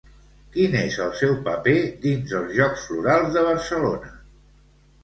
Quin és el seu paper dins els Jocs Florals de Barcelona?